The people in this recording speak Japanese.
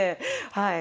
はい。